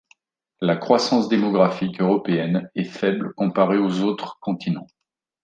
La croissance démographique européenne est faible comparée aux autres continents.